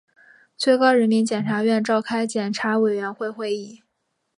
最高人民检察院召开检察委员会会议